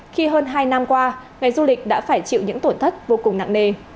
vì hơn hai năm qua ngày du lịch đã phải chịu những tổn thất vô cùng nặng nề